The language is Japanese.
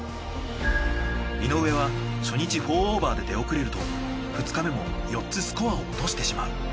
井上は初日４オーバーで出遅れると２日目も４つスコアを落としてしまう。